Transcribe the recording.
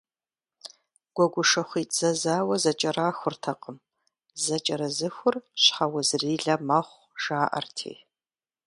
Гуэгушыхъуитӏ зэзауэ зэкӏэрахуртэкъым, зэкӏэрызыхур щхьэузрилэ мэхъу, жаӏэрти.